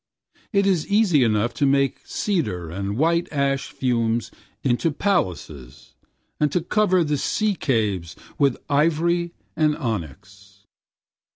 It is easy enough to make cedar and white ash fumes into palaces and to cover the sea caves with ivory and onyx.